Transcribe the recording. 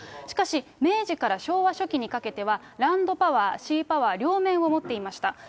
しかし明治から昭和初期にかけては、ランドパワー、シーパワー、両面を持っていました。